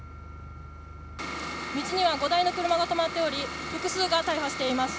道には５台の車が止まっており複数が大破しています。